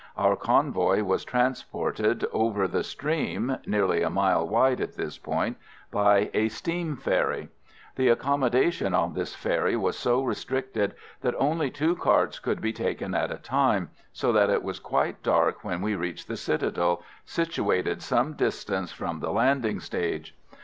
Our convoy was transported over the stream nearly a mile wide at this point by a steam ferry. The accommodation on this ferry was so restricted that only two carts could be taken at a time, so that it was quite dark when we reached the citadel, situated some distance from the landing stage.